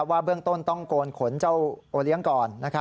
ว่าเบื้องต้นต้องโกนขนเจ้าโอเลี้ยงก่อน